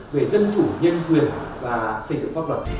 về dân chủ nhân quyền và xây dựng pháp luật